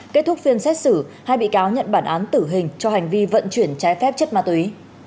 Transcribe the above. kết thúc phiên xét xử hai bị cáo nhận bản án tử hình cho hành vi vận chuyển trái phép chất ma túy